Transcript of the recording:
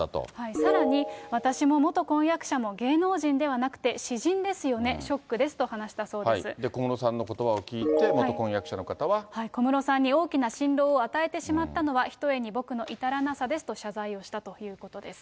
さらに、私も元婚約者も、芸能人ではなくて、私人ですよね、小室さんのことばを聞いて、小室さんに大きな心労を与えてしまったのは、ひとえに僕の至らなさですと謝罪をしたということです。